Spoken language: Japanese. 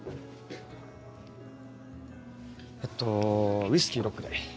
えっとウイスキーロックで。